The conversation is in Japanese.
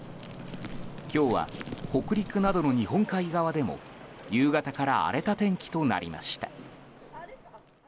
今日は北陸などの日本海側でも夕方から荒れた天気となりました。